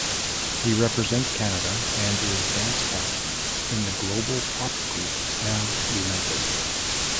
He represents Canada and is dance captain in the global pop group Now United.